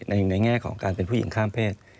ในแง่ของการเป็นผู้หญิงข้ามเพศ